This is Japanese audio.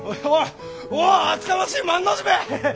おう厚かましい万の字め！